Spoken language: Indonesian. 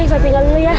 sampai tinggal dulu ya